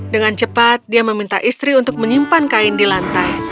dengan cepat dia meminta istri untuk menyimpan kain di lantai